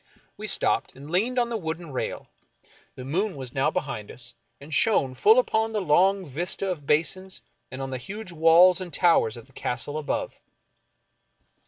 We stopped, and leaned on the wooden rail. The moon was now behind us, and shone full upon the long vista of basins and on the huge walls and towers of the Castle above.